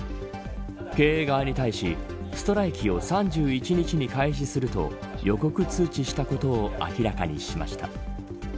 経営側に対しストライキを３１日に開始すると予告通知したことを明らかにしました。